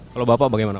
kalau bapak bagaimana